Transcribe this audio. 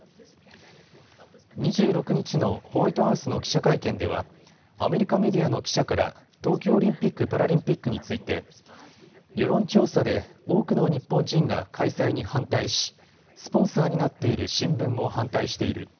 ２６日のホワイトハウスの記者会見ではアメリカメディアの記者から東京オリンピック・パラリンピックについて世論調査で多くの日本人が開催に反対しスポンサーになっている新聞も反対している。